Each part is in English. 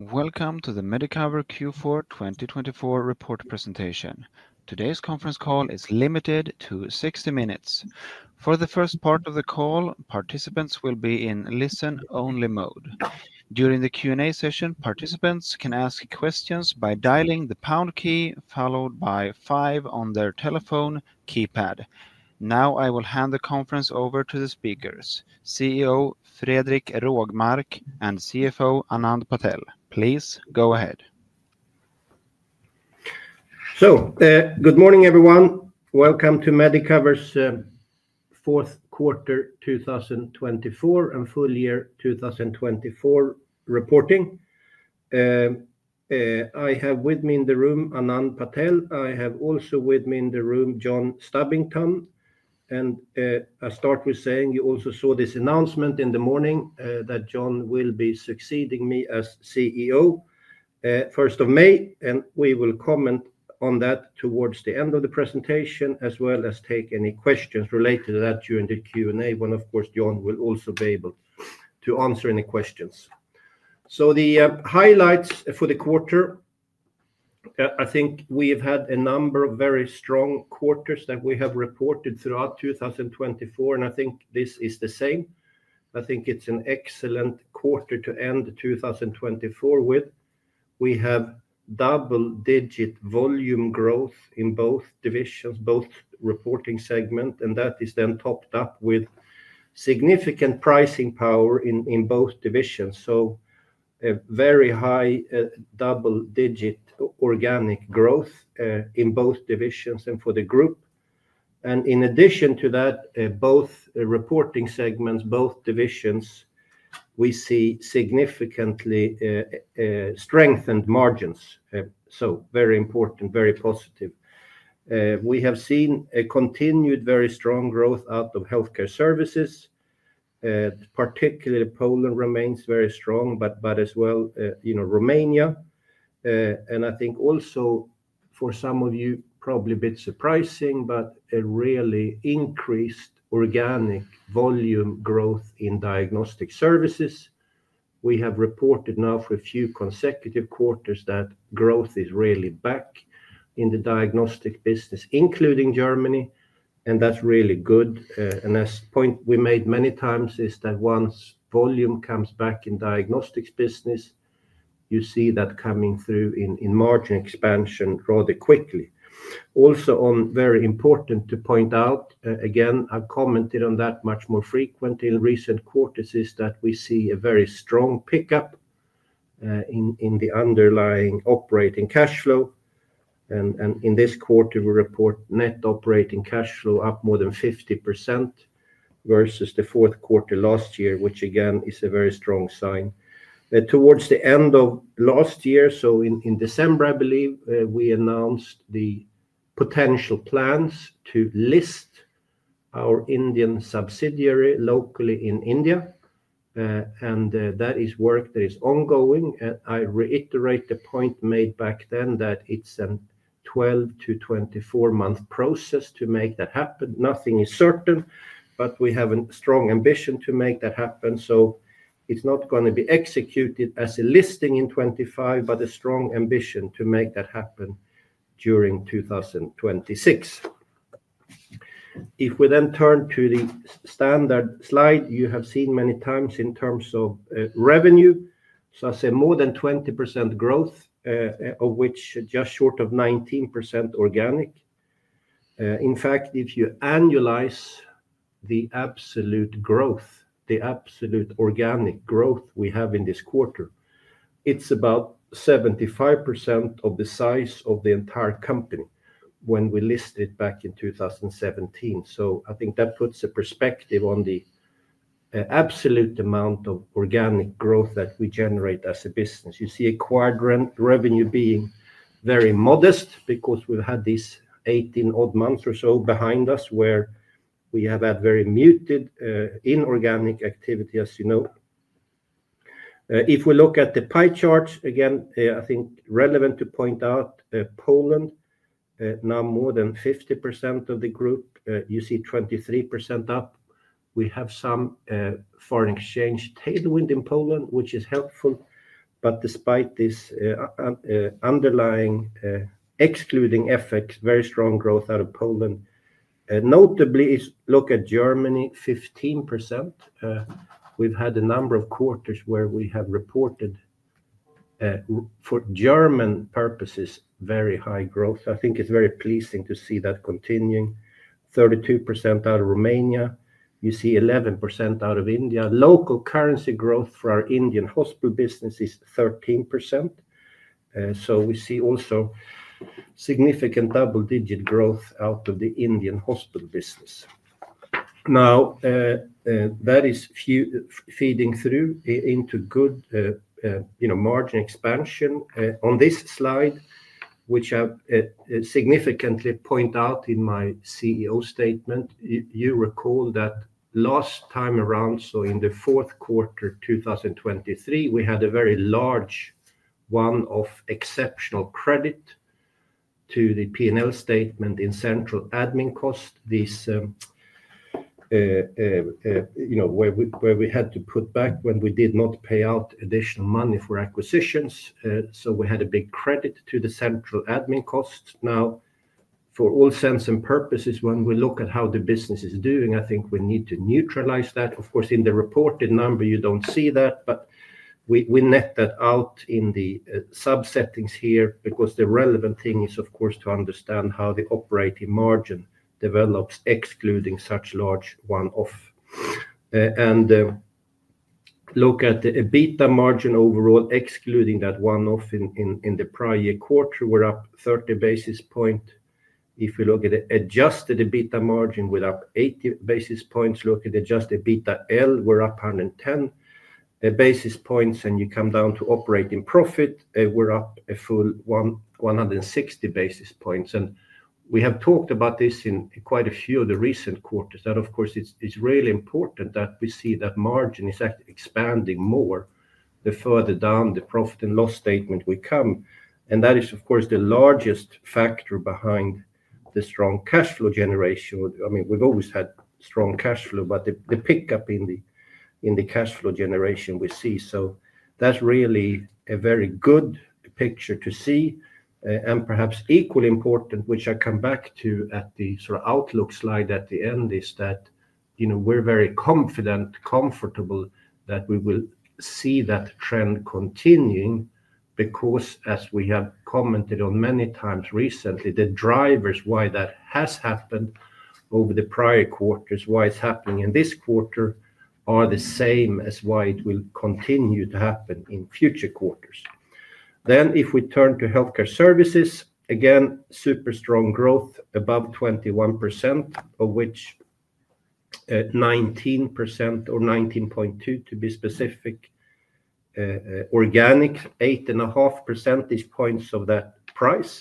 Welcome to the Medicover Q4 2024 report presentation. Today's conference call is limited to 60 minutes. For the first part of the call, participants will be in listen-only mode. During the Q&A session, participants can ask questions by dialing the pound key followed by 5 on their telephone keypad. Now I will hand the conference over to the speakers, CEO Fredrik Rågmark and CFO Anand Patel. Please go ahead. So, good morning everyone. Welcome to Medicover's fourth quarter 2024 and full year 2024 reporting. I have with me in the room Anand Patel. I have also with me in the room John Stubbington. And I start with saying you also saw this announcement in the morning that John will be succeeding me as CEO 1st of May, and we will comment on that towards the end of the presentation as well as take any questions related to that during the Q&A. And of course, John will also be able to answer any questions. So the highlights for the quarter, I think we have had a number of very strong quarters that we have reported throughout 2024, and I think this is the same. I think it's an excellent quarter to end 2024 with. We have double-digit volume growth in both divisions, both reporting segments, and that is then topped up with significant pricing power in both divisions, so a very high double-digit organic growth in both divisions and for the group, and in addition to that, both reporting segments, both divisions, we see significantly strengthened margins, so very important, very positive. We have seen a continued very strong growth out of Healthcare Services; particularly, Poland remains very strong, but as well Romania, and I think also for some of you, probably a bit surprising, but a really increased organic volume growth in Diagnostic Services. We have reported now for a few consecutive quarters that growth is really back in the diagnostic business, including Germany, and that's really good. As a point we made many times is that once volume comes back in diagnostics business, you see that coming through in margin expansion rather quickly. Also very important to point out, again, I've commented on that much more frequently in recent quarters is that we see a very strong pickup in the underlying operating cash flow. In this quarter, we report net operating cash flow up more than 50% versus the fourth quarter last year, which again is a very strong sign. Towards the end of last year, so in December, I believe we announced the potential plans to list our Indian subsidiary locally in India. That is work that is ongoing. I reiterate the point made back then that it's a 12-24 month process to make that happen. Nothing is certain, but we have a strong ambition to make that happen. It's not going to be executed as a listing in 2025, but a strong ambition to make that happen during 2026. If we then turn to the standard slide, you have seen many times in terms of revenue, so I say more than 20% growth, of which just short of 19% organic. In fact, if you annualize the absolute growth, the absolute organic growth we have in this quarter, it's about 75% of the size of the entire company when we listed back in 2017. So I think that puts a perspective on the absolute amount of organic growth that we generate as a business. You see acquisitive revenue being very modest because we've had these 18 odd months or so behind us where we have had very muted inorganic activity, as you know. If we look at the pie chart again, I think relevant to point out Poland, now more than 50% of the group. You see 23% up. We have some foreign exchange tailwind in Poland, which is helpful. But despite this underlying excluding effect, very strong growth out of Poland. Notably, look at Germany, 15%. We've had a number of quarters where we have reported for German purposes, very high growth. I think it's very pleasing to see that continuing. 32% out of Romania. You see 11% out of India. Local currency growth for our Indian hospital business is 13%. So we see also significant double-digit growth out of the Indian hospital business. Now, that is feeding through into good margin expansion. On this slide, which I significantly point out in my CEO statement, you recall that last time around, so in the fourth quarter 2023, we had a very large one-off exceptional credit to the P&L statement in central admin cost, where we had to put back what we did not pay out additional money for acquisitions. So we had a big credit to the central admin cost. Now, for all intents and purposes, when we look at how the business is doing, I think we need to neutralize that. Of course, in the reported number, you don't see that, but we net that out in the sub-sections here because the relevant thing is, of course, to understand how the operating margin develops, excluding such large one-off, and look at the EBITDA margin overall, excluding that one-off in the prior year quarter, we're up 30 basis points. If you look at the adjusted EBITDA margin, we're up 80 basis points. Look at the adjusted EBITDAaL, we're up 110 basis points. And you come down to operating profit, we're up a full 160 basis points. And we have talked about this in quite a few of the recent quarters. And of course, it's really important that we see that margin is actually expanding more the further down the profit and loss statement we come. And that is, of course, the largest factor behind the strong cash flow generation. I mean, we've always had strong cash flow, but the pickup in the cash flow generation we see. So that's really a very good picture to see. Perhaps equally important, which I come back to at the sort of outlook slide at the end, is that we're very confident, comfortable that we will see that trend continuing because, as we have commented on many times recently, the drivers why that has happened over the prior quarters, why it's happening in this quarter, are the same as why it will continue to happen in future quarters. If we turn to Healthcare Services, again, super strong growth above 21%, of which 19% or 19.2% to be specific is organic, 8.5 percentage points of that price.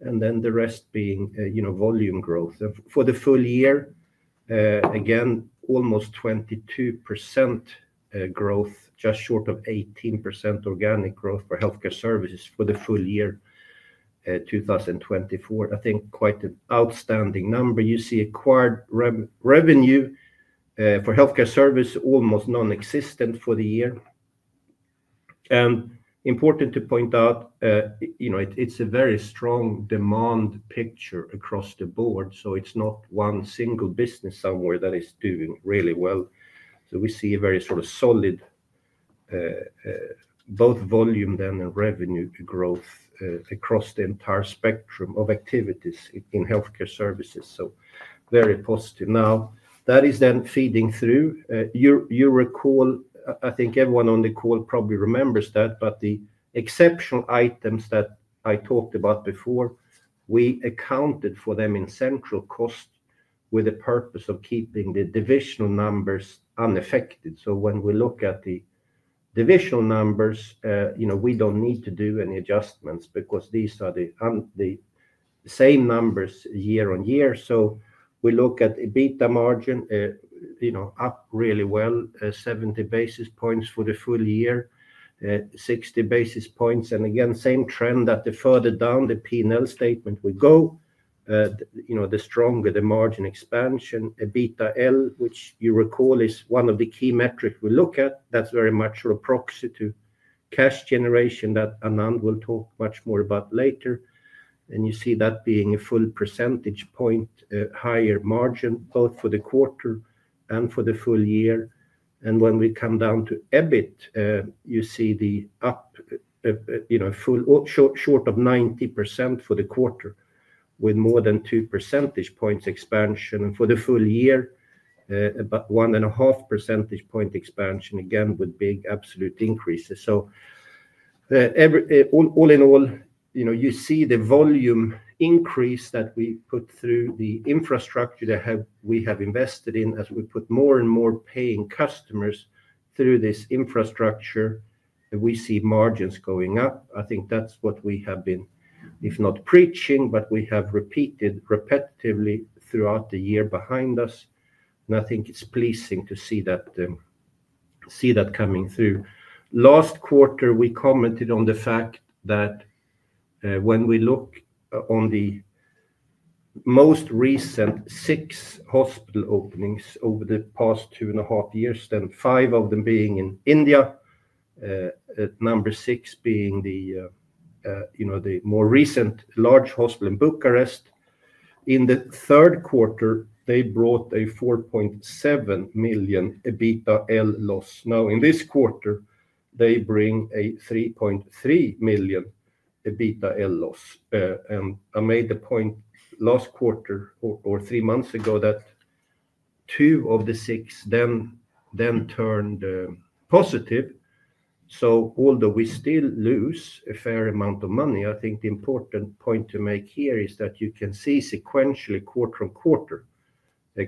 Then the rest being volume growth. For the full year, again, almost 22% growth, just short of 18% organic growth for Healthcare Services for the full year 2024. I think quite an outstanding number. You see acquired revenue for Healthcare Services, almost non-existent for the year. Important to point out, it's a very strong demand picture across the board. It's not one single business somewhere that is doing really well. We see a very sort of solid both volume then and revenue growth across the entire spectrum of activities in Healthcare Services. Very positive. Now, that is then feeding through. You recall, I think everyone on the call probably remembers that, but the exceptional items that I talked about before, we accounted for them in central cost with the purpose of keeping the divisional numbers unaffected. When we look at the divisional numbers, we don't need to do any adjustments because these are the same numbers year-on-year. We look at EBITDA margin up really well, 70 basis points for the full year, 60 basis points. And again, same trend that the further down the P&L statement we go, the stronger the margin expansion. EBITDAaL, which you recall is one of the key metrics we look at, that's very much proxy to cash generation that Anand will talk much more about later. And you see that being a full percentage point higher margin both for the quarter and for the full year. And when we come down to EBIT, you see the upshot of 90% for the quarter with more than two percentage points expansion. And for the full year, about 1.5 percentage point expansion, again, with big absolute increases. So all in all, you see the volume increase that we put through the infrastructure that we have invested in as we put more and more paying customers through this infrastructure. We see margins going up. I think that's what we have been, if not preaching, but we have repeated repetitively throughout the year behind us, and I think it's pleasing to see that coming through. Last quarter, we commented on the fact that when we look on the most recent six hospital openings over the past two and a half years, then five of them being in India, number six being the more recent large hospital in Bucharest. In the third quarter, they brought a 4.7 million EBITDAaL loss. Now, in this quarter, they bring a 3.3 million EBITDAaL loss, and I made the point last quarter or three months ago that two of the six then turned positive. So although we still lose a fair amount of money, I think the important point to make here is that you can see sequentially quarter on quarter,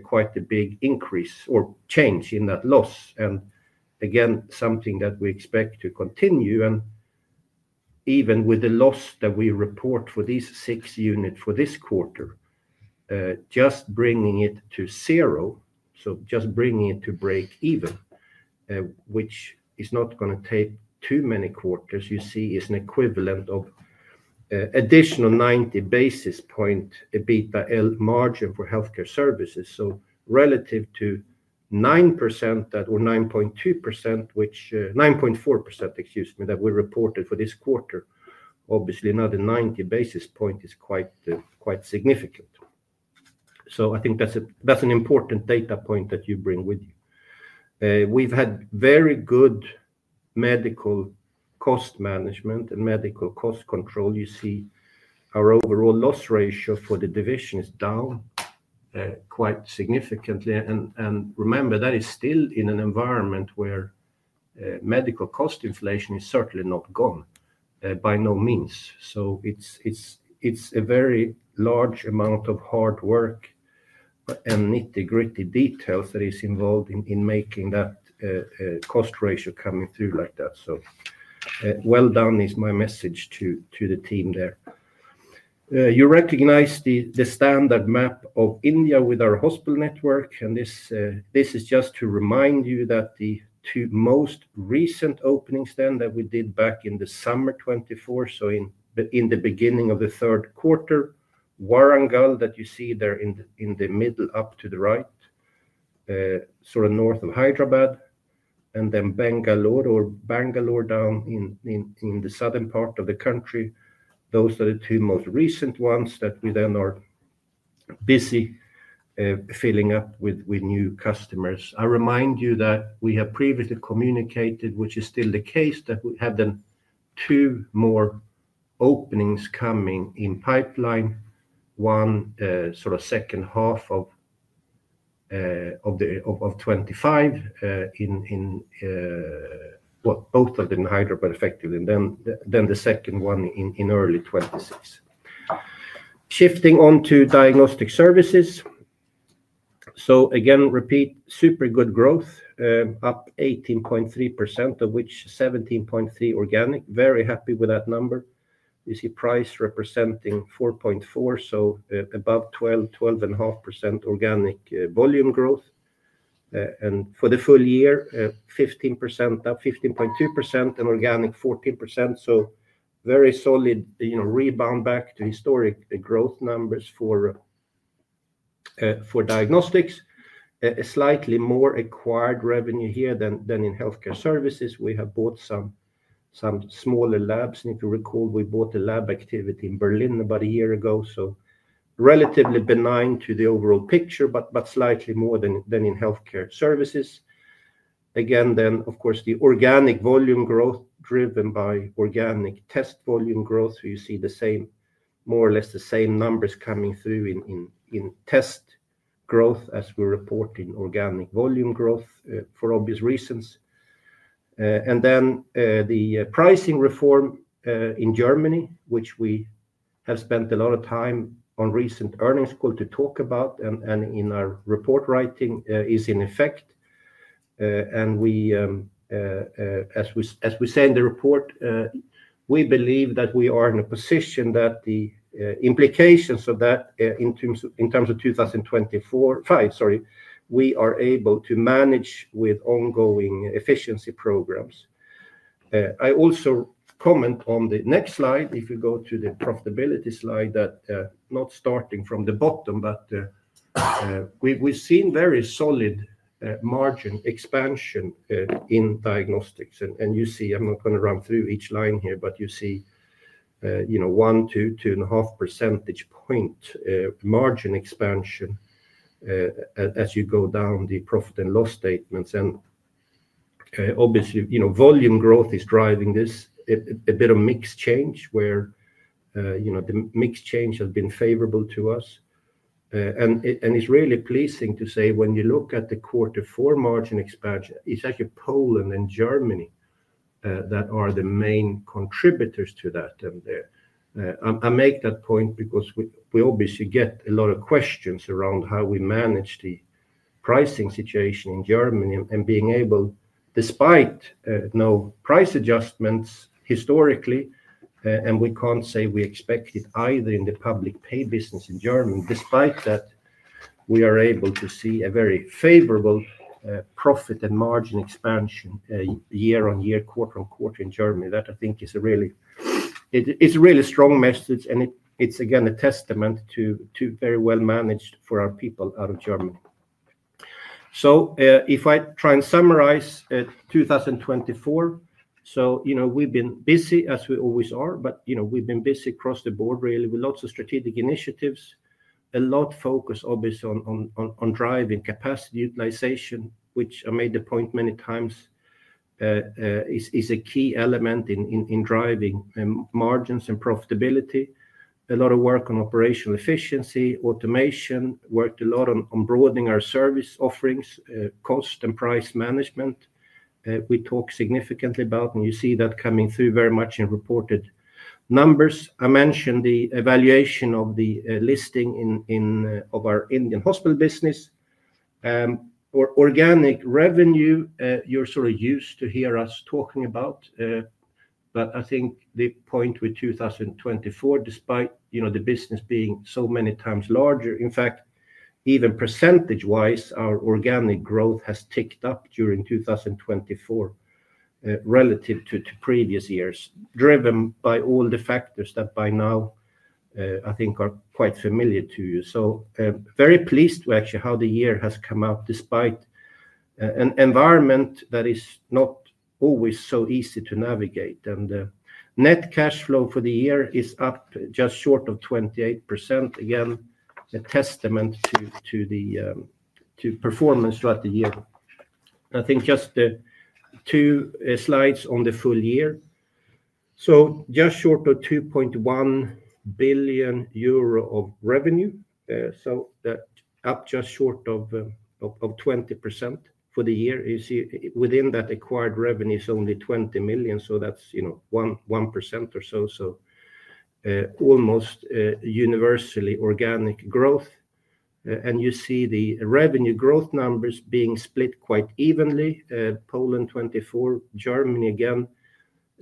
quite a big increase or change in that loss. And again, something that we expect to continue. And even with the loss that we report for these six units for this quarter, just bringing it to zero, so just bringing it to break even, which is not going to take too many quarters, you see is an equivalent of additional 90 basis point EBITDAaL margin for Healthcare Services. So relative to 9% or 9.2%, which 9.4%, excuse me, that we reported for this quarter, obviously another 90 basis point is quite significant. So I think that's an important data point that you bring with you. We've had very good medical cost management and medical cost control. You see our overall loss ratio for the division is down quite significantly. And remember, that is still in an environment where medical cost inflation is certainly not gone by no means. So it's a very large amount of hard work and nitty-gritty details that is involved in making that cost ratio coming through like that. So well done is my message to the team there. You recognize the standard map of India with our hospital network. This is just to remind you that the two most recent openings then that we did back in the summer 2024, so in the beginning of the third quarter, Warangal that you see there in the middle up to the right, sort of north of Hyderabad, and then Bengaluru or Bangalore down in the southern part of the country, those are the two most recent ones that we then are busy filling up with new customers. I remind you that we have previously communicated, which is still the case, that we have then two more openings coming in pipeline, one sort of second half of 2025, both of them in Hyderabad effectively, and then the second one in early 2026. Shifting on to Diagnostic Services. Again, repeat, super good growth, up 18.3%, of which 17.3% organic. Very happy with that number. You see price representing 4.4%, so above 12%, 12.5% organic volume growth. And for the full year, 15% up, 15.2%, and organic 14%. So very solid rebound back to historic growth numbers for diagnostics. Slightly more acquired revenue here than in Healthcare Services. We have bought some smaller labs. And if you recall, we bought a lab activity in Berlin about a year ago. So relatively benign to the overall picture, but slightly more than in Healthcare Services. Again, then of course, the organic volume growth driven by organic test volume growth. You see the same, more or less the same numbers coming through in test growth as we're reporting organic volume growth for obvious reasons. And then the pricing reform in Germany, which we have spent a lot of time on recent earnings call to talk about and in our report writing, is in effect. As we say in the report, we believe that we are in a position that the implications of that in terms of 2025, sorry, we are able to manage with ongoing efficiency programs. I also comment on the next slide. If you go to the profitability slide, that's not starting from the bottom, but we've seen very solid margin expansion in diagnostics. And you see, I'm not going to run through each line here, but you see one, two, two and a half percentage point margin expansion as you go down the profit and loss statements. And obviously, volume growth is driving this, a bit of mix change where the mix change has been favorable to us. And it's really pleasing to say when you look at the quarter four margin expansion, it's actually Poland and Germany that are the main contributors to that. And I make that point because we obviously get a lot of questions around how we manage the pricing situation in Germany and being able, despite no price adjustments historically, and we can't say we expect it either in the public payer business in Germany, despite that, we are able to see a very favorable profit and margin expansion year-on-year, quarter-on-quarter in Germany. That I think is a really strong message. And it's again a testament to very well managed by our people out of Germany. So if I try and summarize 2024, so we've been busy as we always are, but we've been busy across the board really with lots of strategic initiatives, a lot of focus obviously on driving capacity utilization, which I made the point many times is a key element in driving margins and profitability. A lot of work on operational efficiency, automation, worked a lot on broadening our service offerings, cost and price management. We talk significantly about, and you see that coming through very much in reported numbers. I mentioned the evaluation of the listing of our Indian hospital business. Organic revenue, you're sort of used to hear us talking about, but I think the point with 2024, despite the business being so many times larger, in fact, even percentage-wise, our organic growth has ticked up during 2024 relative to previous years, driven by all the factors that by now I think are quite familiar to you. So very pleased, actually, how the year has come out despite an environment that is not always so easy to navigate. And net cash flow for the year is up just short of 28%, again, a testament to performance throughout the year. I think just two slides on the full year. So just short of 2.1 billion euro of revenue, so up just short of 20% for the year. You see within that acquired revenue is only 20 million, so that's 1% or so. So almost universally organic growth. And you see the revenue growth numbers being split quite evenly. Poland 24%, Germany again,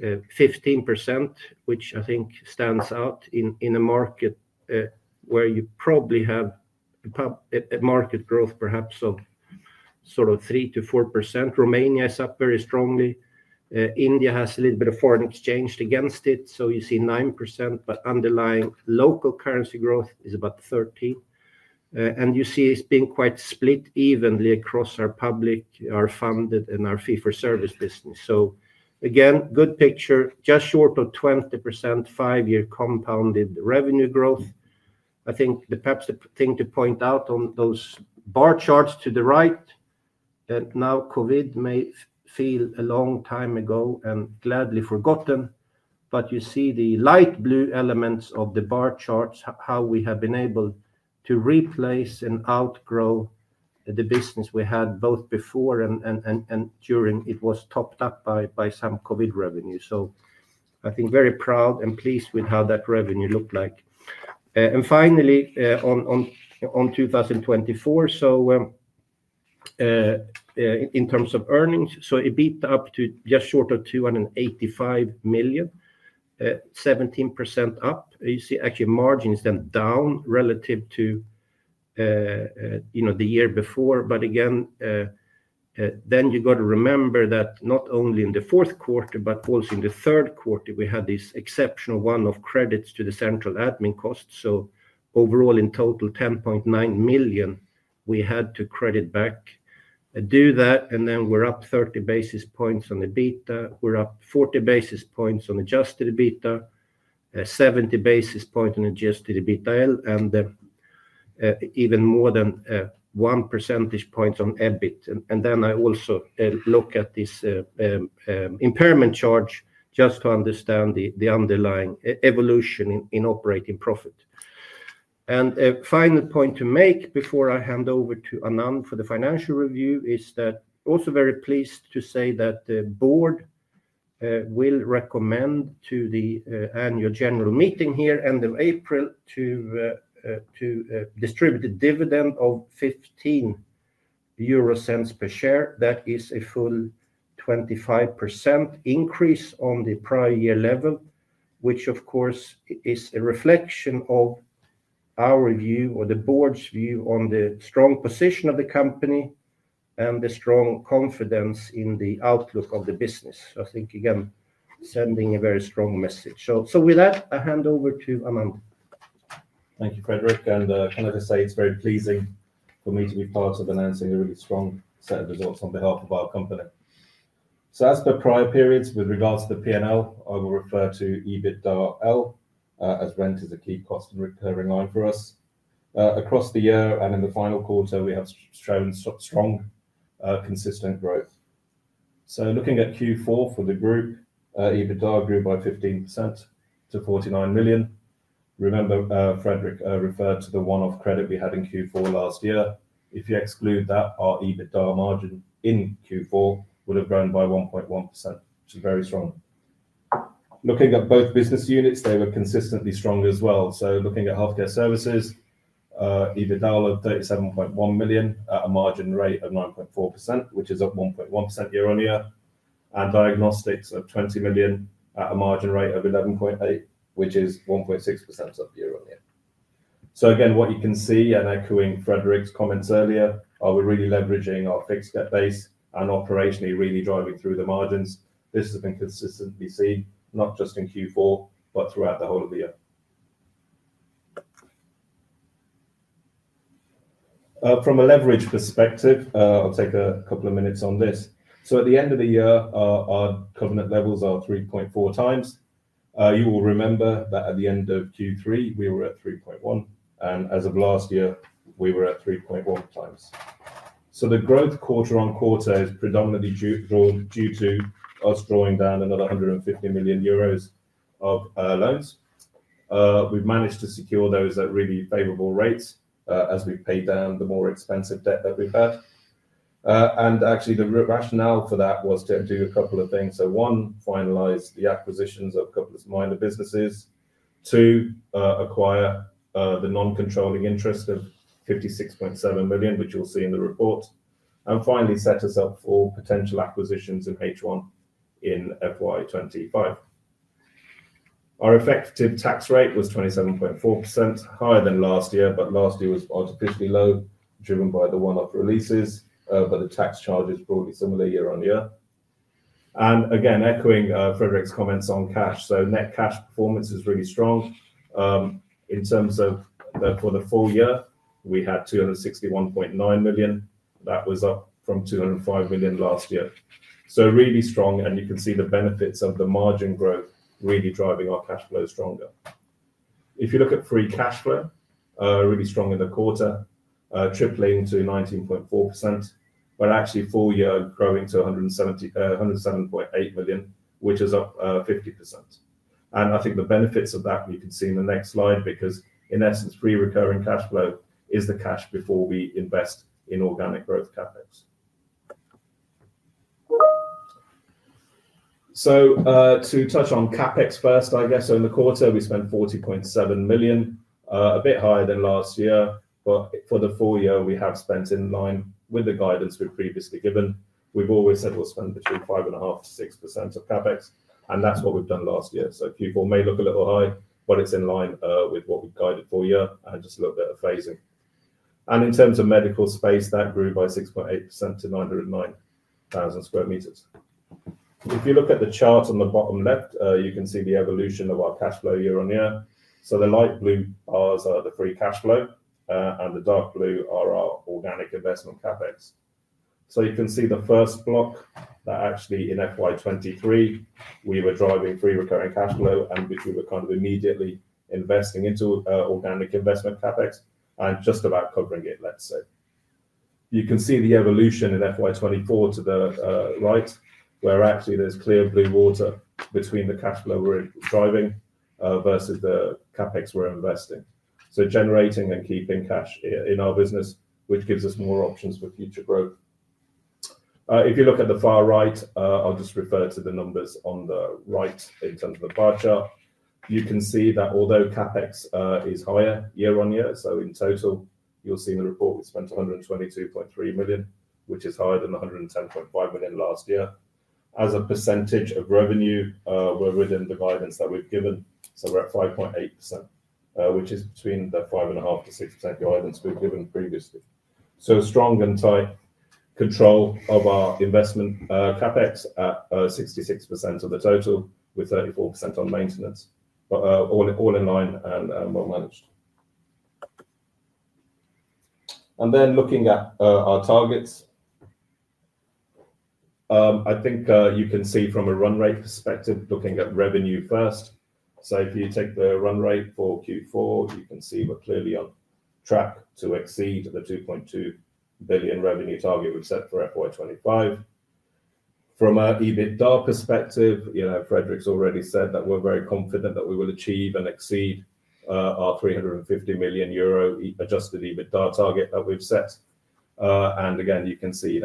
15%, which I think stands out in a market where you probably have a market growth perhaps of sort of 3%-4%. Romania is up very strongly. India has a little bit of foreign exchange against it, so you see 9%, but underlying local currency growth is about 13%. And you see it's being quite split evenly across our public, our funded, and our fee-for-service business. So again, good picture, just short of 20%, five-year compounded revenue growth. I think perhaps the thing to point out on those bar charts to the right is that now COVID may feel a long time ago and gladly forgotten. But you see the light blue elements of the bar charts, how we have been able to replace and outgrow the business we had both before and during it. It was topped up by some COVID revenue. So I think very proud and pleased with how that revenue looked like. And finally, on 2024, in terms of earnings, EBITDA up to just short of 285 million, 17% up. You see actually margins then down relative to the year before. But again, you got to remember that not only in the fourth quarter, but also in the third quarter, we had this exceptional one-off credits to the central admin costs. So overall in total, 10.9 million we had to credit back. Do that, and then we're up 30 basis points on EBITDA. We're up 40 basis points on adjusted EBITDA, 70 basis points on adjusted EBITDA, and even more than one percentage point on EBITDA. And then I also look at this impairment charge just to understand the underlying evolution in operating profit. And final point to make before I hand over to Anand for the financial review is that also very pleased to say that the board will recommend to the Annual General Meeting here end of April to distribute a dividend of 0.15 per share. That is a full 25% increase on the prior year level, which of course is a reflection of our view or the board's view on the strong position of the company and the strong confidence in the outlook of the business. So I think again, sending a very strong message. With that, I hand over to Anand. Thank you, Fredrik. Can I just say it's very pleasing for me to be part of announcing a really strong set of results on behalf of our company. As per prior periods, with regards to the P&L, I will refer to EBITDAaL as rent is a key cost and recurring line for us. Across the year and in the final quarter, we have shown strong, consistent growth. Looking at Q4 for the group, EBITDA grew by 15% to 49 million. Remember, Fredrik referred to the one-off credit we had in Q4 last year. If you exclude that, our EBITDA margin in Q4 would have grown by 1.1%. It's very strong. Looking at both business units, they were consistently strong as well. Looking at Healthcare Services, EBITDA of 37.1 million at a margin rate of 9.4%, which is up 1.1% year-on-year. Diagnostics of 20 million at a margin rate of 11.8%, which is 1.6% year-on-year. Again, what you can see and echoing Fredrik's comments earlier, we're really leveraging our fixed debt base and operationally really driving through the margins. This has been consistently seen, not just in Q4, but throughout the whole of the year. From a leverage perspective, I'll take a couple of minutes on this. At the end of the year, our covenant levels are 3.4x. You will remember that at the end of Q3, we were at 3.1. As of last year, we were at 3.1x. The growth quarter-on-quarter is predominantly due to us drawing down another 150 million euros of loans. We've managed to secure those at really favorable rates as we've paid down the more expensive debt that we've had. And actually, the rationale for that was to do a couple of things. So one, finalize the acquisitions of a couple of minor businesses. Two, acquire the non-controlling interest of 56.7 million, which you'll see in the report. And finally, set us up for potential acquisitions in H1 in FY25. Our effective tax rate was 27.4%, higher than last year, but last year was artificially low, driven by the one-off releases, but the tax charges broadly similar year-on-year. And again, echoing Fredrik's comments on cash, so net cash performance is really strong. In terms of for the full year, we had 261.9 million. That was up from 205 million last year. So really strong, and you can see the benefits of the margin growth really driving our cash flow stronger. If you look at free cash flow, really strong in the quarter, tripling to 19.4%, but actually full year growing to 107.8 million, which is up 50%. And I think the benefits of that, you can see in the next slide, because in essence, free recurring cash flow is the cash before we invest in organic growth CapEx. So to touch on CapEx first, I guess, so in the quarter, we spent 40.7 million, a bit higher than last year, but for the full year, we have spent in line with the guidance we've previously given. We've always said we'll spend between 5.5%-6% of CapEx, and that's what we've done last year. Q4 may look a little high, but it's in line with what we've guided for a year and just a little bit of phasing. And in terms of medical space, that grew by 6.8% to 909,000 sq m. If you look at the chart on the bottom left, you can see the evolution of our cash flow year-on-year. So the light blue bars are the free cash flow, and the dark blue are our organic investment CapEx. So you can see the first block that actually in FY23, we were driving free recurring cash flow, and which we were kind of immediately investing into organic investment CapEx and just about covering it, let's say. You can see the evolution in FY24 to the right, where actually there's clear blue water between the cash flow we're driving versus the CapEx we're investing. Generating and keeping cash in our business, which gives us more options for future growth. If you look at the far right, I'll just refer to the numbers on the right in terms of the bar chart. You can see that although CapEx is higher year-on-year, so in total, you'll see in the report we spent 122.3 million, which is higher than 110.5 million last year. As a percentage of revenue, we're within the guidance that we've given. So we're at 5.8%, which is between the 5.5%-6% guidance we've given previously. So strong and tight control of our investment CapEx at 66% of the total with 34% on maintenance, but all in line and well managed. And then looking at our targets, I think you can see from a run rate perspective, looking at revenue first. If you take the run rate for Q4, you can see we're clearly on track to exceed the 2.2 billion revenue target we've set for FY25. From an EBITDA perspective, Fredrik's already said that we're very confident that we will achieve and exceed our 350 million euro adjusted EBITDA target that we've set. And again, you can see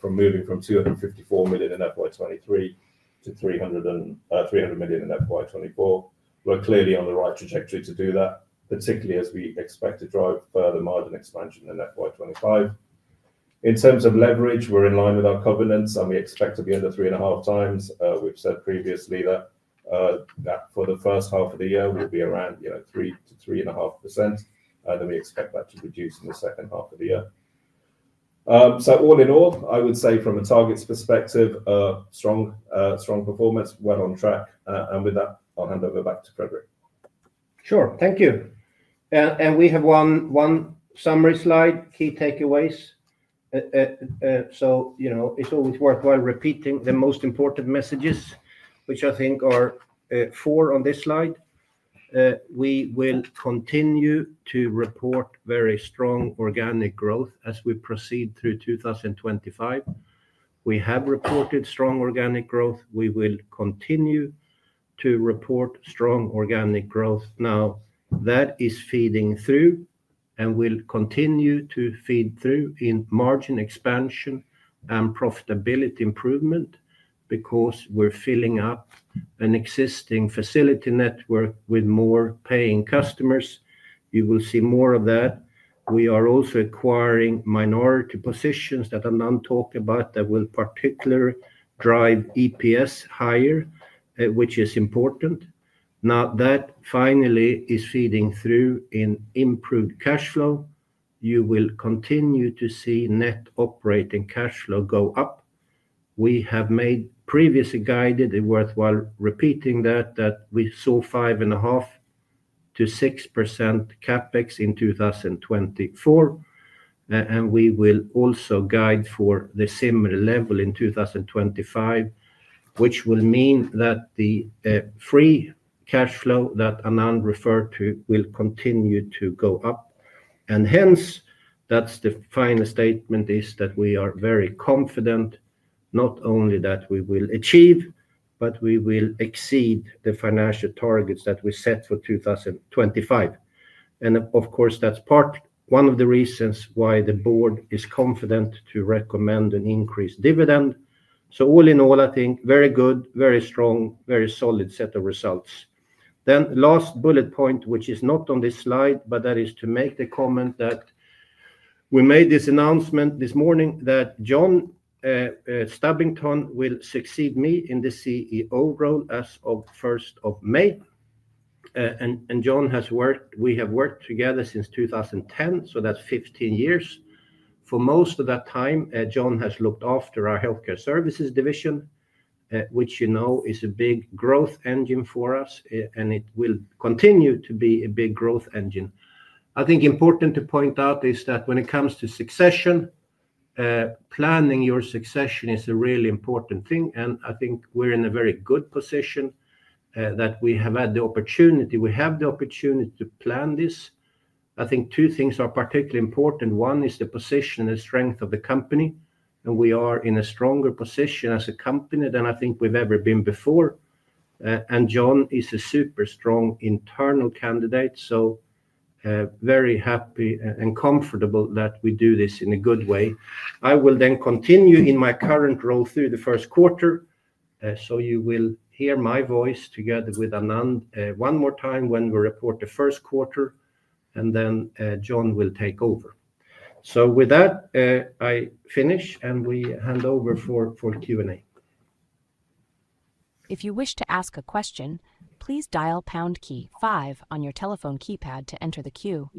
from moving from 254 million in FY23 to 300 million in FY24, we're clearly on the right trajectory to do that, particularly as we expect to drive further margin expansion in FY25. In terms of leverage, we're in line with our covenants, and we expect to be under 3.5x. We've said previously that for the first half of the year, we'll be around 3%-3.5%, and then we expect that to reduce in the second half of the year. So all in all, I would say from a targets perspective, strong performance, well on track. And with that, I'll hand over back to Fredrik. Sure. Thank you. And we have one summary slide, key takeaways. So it's always worthwhile repeating the most important messages, which I think are four on this slide. We will continue to report very strong organic growth as we proceed through 2025. We have reported strong organic growth. We will continue to report strong organic growth. Now, that is feeding through and will continue to feed through in margin expansion and profitability improvement because we're filling up an existing facility network with more paying customers. You will see more of that. We are also acquiring minority positions that Anand talked about that will particularly drive EPS higher, which is important. Now, that finally is feeding through in improved cash flow. You will continue to see net operating cash flow go up. We have made previously guided and worthwhile repeating that we saw 5.5%-6% CapEx in 2024, and we will also guide for the similar level in 2025, which will mean that the free cash flow that Anand referred to will continue to go up, and hence, that's the final statement is that we are very confident not only that we will achieve, but we will exceed the financial targets that we set for 2025, and of course, that's part one of the reasons why the board is confident to recommend an increased dividend, so all in all, I think very good, very strong, very solid set of results. Last bullet point, which is not on this slide, but that is to make the comment that we made this announcement this morning that John Stubbington will succeed me in the CEO role as of 1st of May. John has worked we have worked together since 2010, so that's 15 years. For most of that time, John has looked after our Healthcare Services division, which you know is a big growth engine for us, and it will continue to be a big growth engine. I think important to point out is that when it comes to succession, planning your succession is a really important thing. I think we're in a very good position that we have had the opportunity we have the opportunity to plan this. I think two things are particularly important. One is the position and strength of the company. And we are in a stronger position as a company than I think we've ever been before. And John is a super strong internal candidate. So very happy and comfortable that we do this in a good way. I will then continue in my current role through the first quarter. So you will hear my voice together with Anand one more time when we report the first quarter, and then John will take over. So with that, I finish and we hand over for Q&A. If you wish to ask a question, please dial pound key five on your telephone keypad to enter the queue.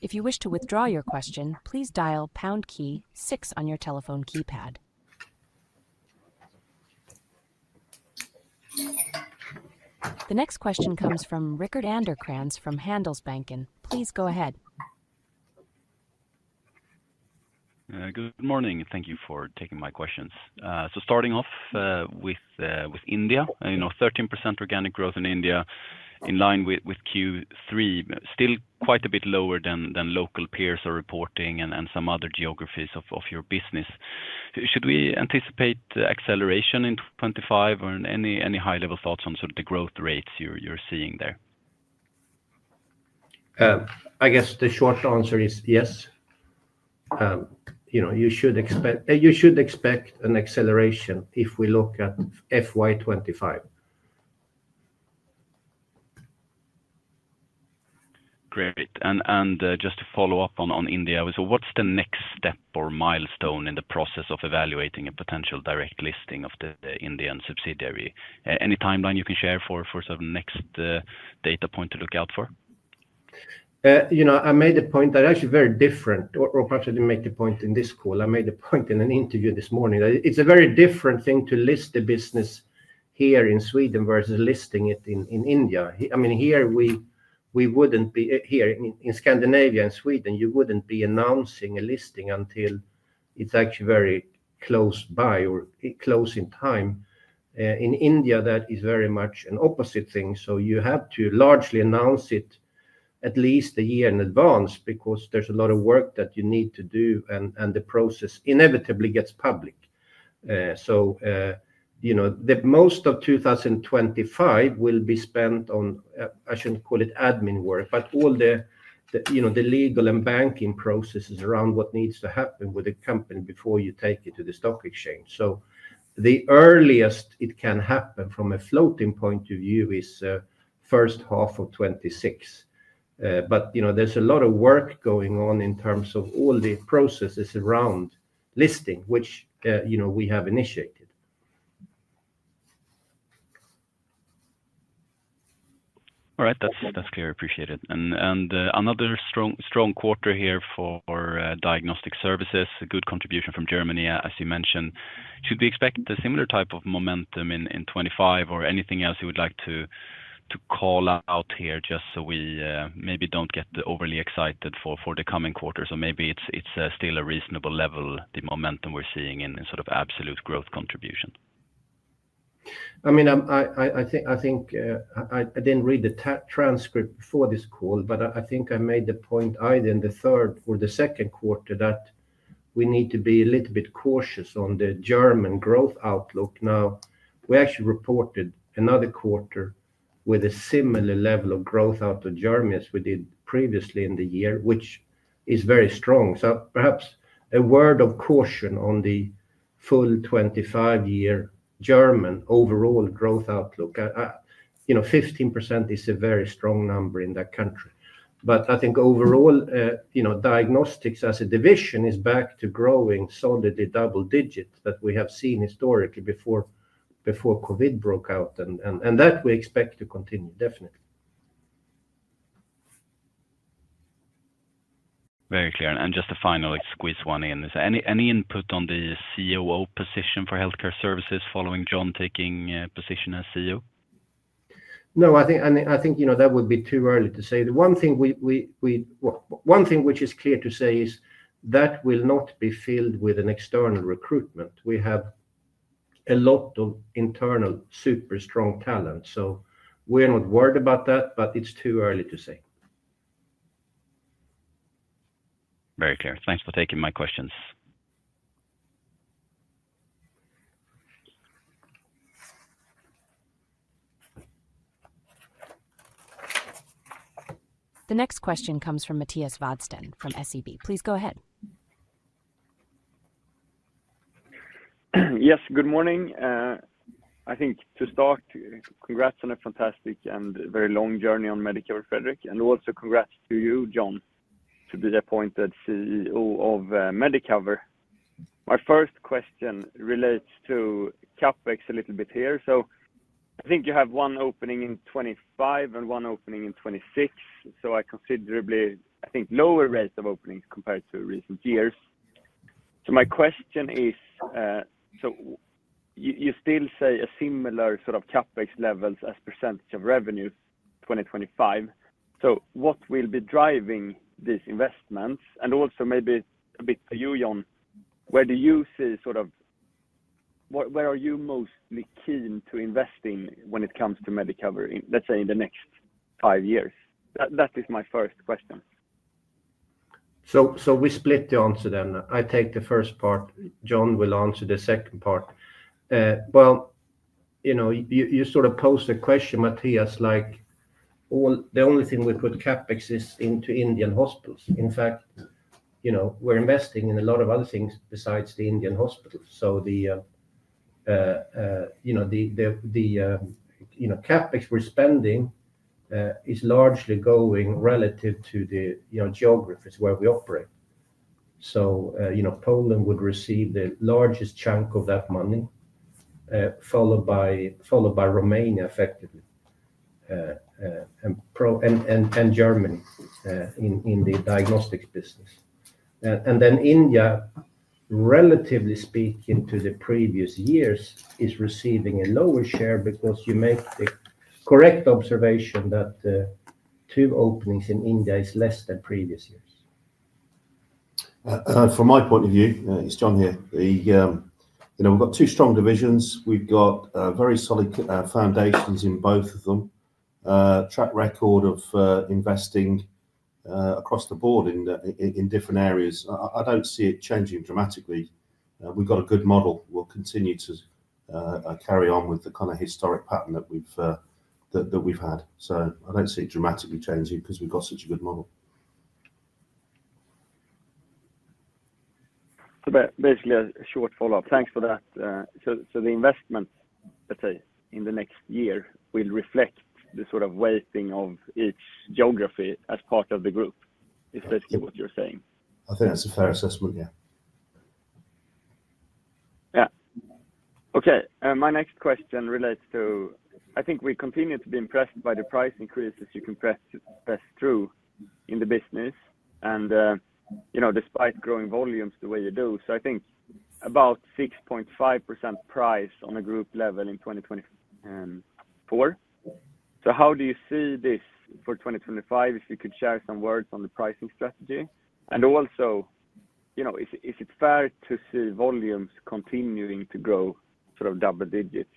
If you wish to withdraw your question, please dial pound key six on your telephone keypad. The next question comes from Rickard Anderkrans from Handelsbanken. Please go ahead. Good morning. Thank you for taking my questions. So, starting off with India, 13% organic growth in India in line with Q3, still quite a bit lower than local peers are reporting and some other geographies of your business. Should we anticipate acceleration in 2025 or any high-level thoughts on sort of the growth rates you're seeing there? I guess the short answer is yes. You should expect an acceleration if we look at FY25. Great. And just to follow up on India, so what's the next step or milestone in the process of evaluating a potential direct listing of the Indian subsidiary? Any timeline you can share for sort of next data point to look out for? I made a point that actually very different or perhaps I didn't make the point in this call. I made a point in an interview this morning. It's a very different thing to list the business here in Sweden versus listing it in India. I mean, here we wouldn't be here in Scandinavia and Sweden, you wouldn't be announcing a listing until it's actually very close by or close in time. In India, that is very much an opposite thing. So you have to largely announce it at least a year in advance because there's a lot of work that you need to do and the process inevitably gets public. So most of 2025 will be spent on, I shouldn't call it admin work, but all the legal and banking processes around what needs to happen with the company before you take it to the stock exchange. So the earliest it can happen from a floating point of view is first half of 2026. But there's a lot of work going on in terms of all the processes around listing, which we have initiated. All right. That's clear. Appreciate it. And another strong quarter here for Diagnostic Services, a good contribution from Germany, as you mentioned. Should we expect a similar type of momentum in 2025 or anything else you would like to call out here just so we maybe don't get overly excited for the coming quarter? So maybe it's still a reasonable level, the momentum we're seeing in sort of absolute growth contribution. I mean, I think I didn't read the transcript before this call, but I think I made the point either in the third or the second quarter that we need to be a little bit cautious on the German growth outlook. Now, we actually reported another quarter with a similar level of growth out of Germany as we did previously in the year, which is very strong. So perhaps a word of caution on the full-year German overall growth outlook. 15% is a very strong number in that country. But I think overall, diagnostics as a division is back to growing solidly double digits that we have seen historically before COVID broke out. And that we expect to continue, definitely. Very clear. And just a final squeeze one in. Is there any input on the COO position for Healthcare Services following John taking position as CEO? No, I think that would be too early to say. The one thing which is clear to say is that will not be filled with an external recruitment. We have a lot of internal super strong talent. So we're not worried about that, but it's too early to say. Very clear. Thanks for taking my questions. The next question comes from Mattias Vadsten from SEB. Please go ahead. Yes, good morning. I think to start, congrats on a fantastic and very long journey at Medicover, Fredrik. And also congrats to you, John, to be appointed CEO of Medicover. My first question relates to CapEx a little bit here. So I think you have one opening in 2025 and one opening in 2026. So considerably, I think, lower rates of openings compared to recent years. So my question is, so you still say a similar sort of CapEx levels as percentage of revenues 2025. So what will be driving these investments? Also maybe a bit for you, John, where do you see sort of where are you mostly keen to invest in when it comes to Medicover, let's say, in the next five years? That is my first question. So we split the answer then. I take the first part. John will answer the second part. Well, you sort of posed a question, Mattias, like the only thing we put CapEx is into Indian hospitals. In fact, we're investing in a lot of other things besides the Indian hospitals. So the CapEx we're spending is largely going relative to the geographies where we operate. So Poland would receive the largest chunk of that money, followed by Romania effectively, and Germany in the diagnostics business. India, relatively speaking to the previous years, is receiving a lower share because you make the correct observation that two openings in India is less than previous years. From my point of view, it's John here. We've got two strong divisions. We've got very solid foundations in both of them, track record of investing across the board in different areas. I don't see it changing dramatically. We've got a good model. We'll continue to carry on with the kind of historic pattern that we've had. So I don't see it dramatically changing because we've got such a good model. So basically, a short follow-up. Thanks for that. So the investment, let's say, in the next year will reflect the sort of weighting of each geography as part of the group, is basically what you're saying. I think that's a fair assessment, yeah. Yeah. Okay. My next question relates to, I think we continue to be impressed by the price increases you can press through in the business and despite growing volumes the way you do, so I think about 6.5% price on a group level in 2024. So how do you see this for 2025 if you could share some words on the pricing strategy? And also, is it fair to see volumes continuing to grow sort of double digits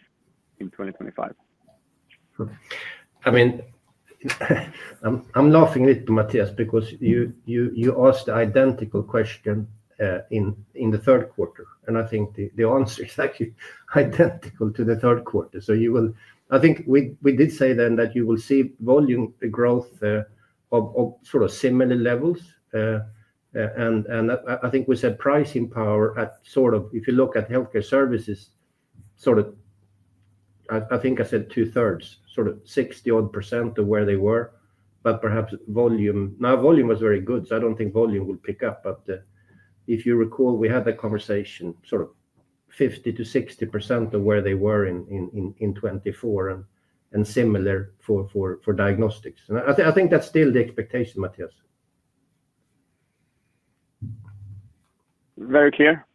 in 2025? I mean, I'm laughing a little, Mattias, because you asked the identical question in the third quarter. And I think the answer is actually identical to the third quarter, so I think we did say then that you will see volume growth of sort of similar levels. I think we said pricing power at sort of, if you look at Healthcare Services, sort of I think I said two-thirds, sort of 60-odd percent of where they were, but perhaps volume. Now, volume was very good, so I don't think volume will pick up. But if you recall, we had that conversation, sort of 50%-60% of where they were in 2024 and similar for diagnostics. I think that's still the expectation, Mattias. Very clear.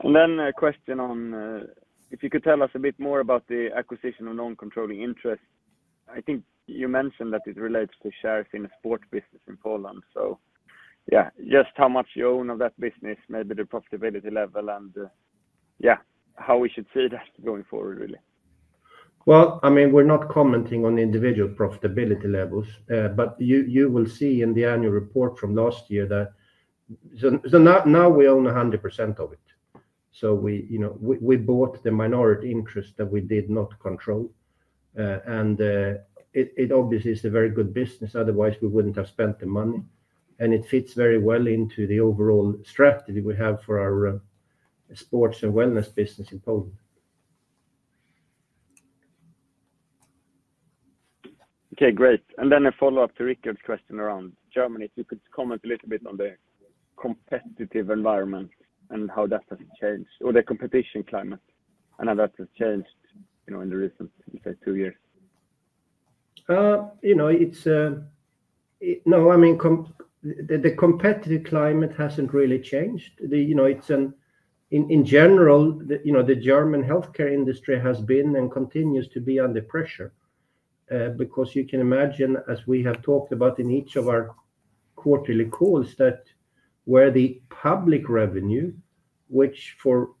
And then a question on if you could tell us a bit more about the acquisition of non-controlling interest. I think you mentioned that it relates to shares in a sport business in Poland. So yeah, just how much you own of that business, maybe the profitability level, and yeah, how we should see that going forward, really. Well, I mean, we're not commenting on individual profitability levels, but you will see in the annual report from last year that so now we own 100% of it. So we bought the minority interest that we did not control. And it obviously is a very good business. Otherwise, we wouldn't have spent the money. And it fits very well into the overall strategy we have for our sports and wellness business in Poland. Okay, great. And then a follow-up to Rickard's question around Germany, if you could comment a little bit on the competitive environment and how that has changed or the competition climate and how that has changed in the recent, let's say, two years. No, I mean, the competitive climate hasn't really changed. In general, the German healthcare industry has been and continues to be under pressure because you can imagine, as we have talked about in each of our quarterly calls, that where the public revenue, which for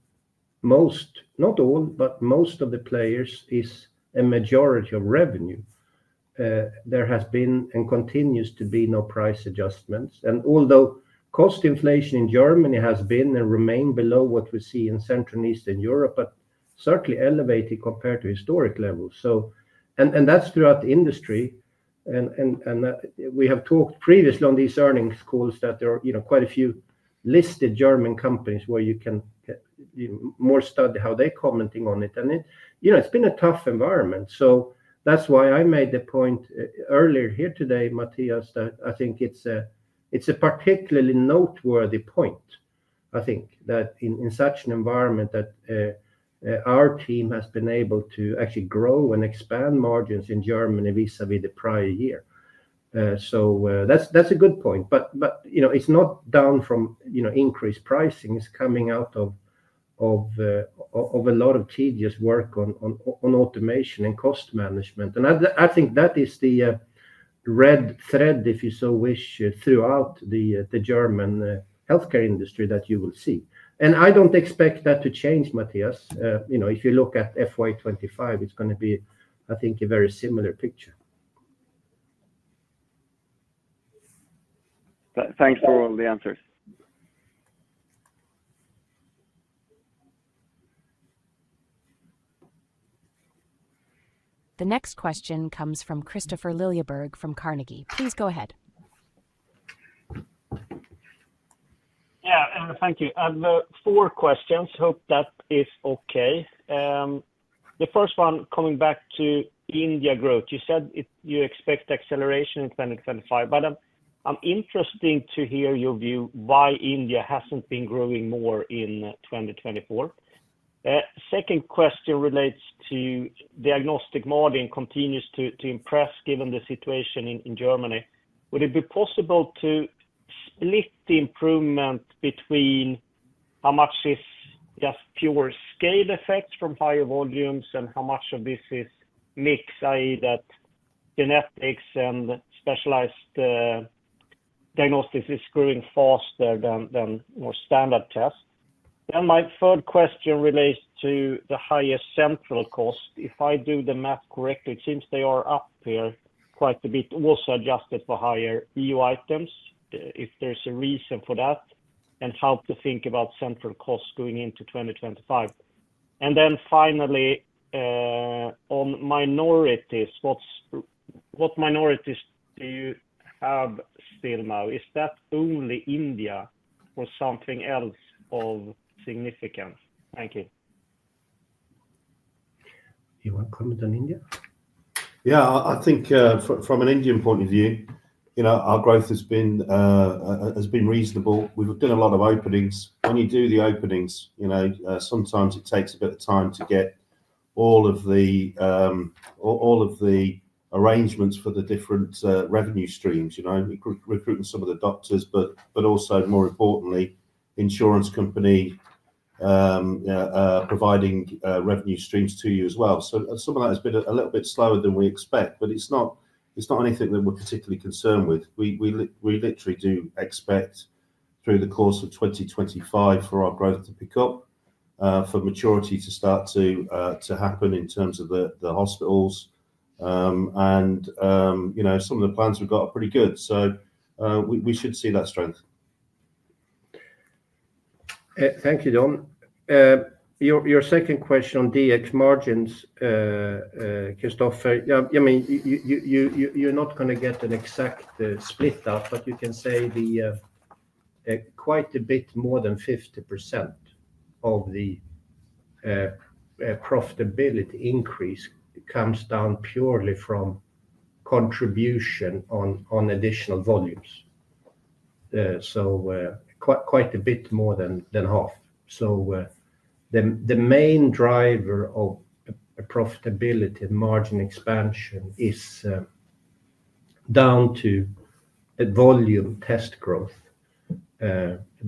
most, not all, but most of the players is a majority of revenue, there has been and continues to be no price adjustments, and although cost inflation in Germany has been and remained below what we see in Central and Eastern Europe, but certainly elevated compared to historic levels, and that's throughout the industry, and we have talked previously on these earnings calls that there are quite a few listed German companies where you can more study how they're commenting on it, and it's been a tough environment. So that's why I made the point earlier here today, Mattias, that I think it's a particularly noteworthy point, I think, that in such an environment that our team has been able to actually grow and expand margins in Germany vis-à-vis the prior year. So that's a good point. But it's not down from increased pricing. It's coming out of a lot of tedious work on automation and cost management. And I think that is the red thread, if you so wish, throughout the German healthcare industry that you will see. And I don't expect that to change, Mattias. If you look at FY25, it's going to be, I think, a very similar picture. Thanks for all the answers. The next question comes from Kristofer Liljeberg from Carnegie. Please go ahead. Yeah, thank you. I have four questions. Hope that is okay. The first one, coming back to India growth. You said you expect acceleration in 2025. But I'm interested to hear your view why India hasn't been growing more in 2024? Second question relates to diagnostic margins continues to impress given the situation in Germany. Would it be possible to split the improvement between how much is just pure scale effect from higher volumes and how much of this is mix, i.e., that genetics and specialized diagnostics is growing faster than more standard tests? Then my third question relates to the higher central cost. If I do the math correctly, it seems they are up here quite a bit, also adjusted for higher EO items? If there's a reason for that, and how to think about central costs going into 2025? And then finally, on minorities, what minorities do you have still now? Is that only India or something else of significance? Thank you. You want to comment on India? Yeah, I think from an Indian point of view, our growth has been reasonable. We've done a lot of openings. When you do the openings, sometimes it takes a bit of time to get all of the arrangements for the different revenue streams, recruiting some of the doctors, but also, more importantly, insurance company providing revenue streams to you as well. So some of that has been a little bit slower than we expect, but it's not anything that we're particularly concerned with. We literally do expect through the course of 2025 for our growth to pick up, for maturity to start to happen in terms of the hospitals. And some of the plans we've got are pretty good. So we should see that strength. Thank you, John. Your second question on DX margins, Kristofer. I mean, you're not going to get an exact split out, but you can say quite a bit more than 50% of the profitability increase comes down purely from contribution on additional volumes. So quite a bit more than half. So the main driver of profitability and margin expansion is down to volume test growth